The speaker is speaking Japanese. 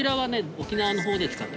沖縄のほうで使っております。